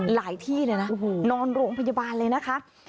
ที่เลยนะนอนโรงพยาบาลเลยนะคะ